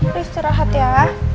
udah istirahat ya